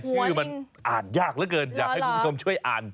ชื่อมันอ่านยากเหลือเกินอยากให้คุณผู้ชมช่วยอ่าน